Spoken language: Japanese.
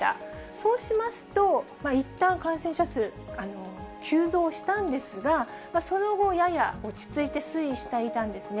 そうしますと、いったん感染者数、急増したんですが、その後、やや落ち着いて推移していたんですね。